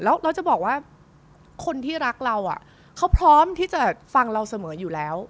แล้วเราจะบอกว่าคนที่รักเราเขาพร้อมที่จะฟังเราเสมออยู่แล้ว